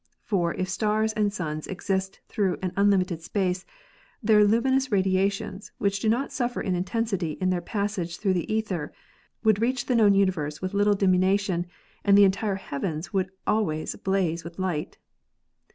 For if stars and suns exist through an unlimited space, their luminous radi ations, which do not suffer in intensity in their passage through the ether, would reach the known universe with little diminution and the entire heavens would always blaze with light.